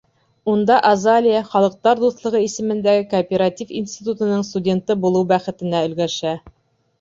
Унда Азалия Халыҡтар дуҫлығы исемендәге кооператив институтының студенты булыу бәхетенә өлгәшә.